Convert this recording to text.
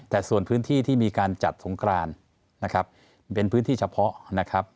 แต่ส่วนพื้นที่ที่มีการจัดสงกรานนะครับเป็นพื้นที่เฉพาะนะครับ